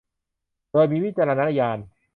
โดยมีวิจารณญาณ